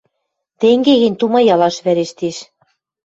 Тенге гӹнь, тумаялаш вӓрештеш...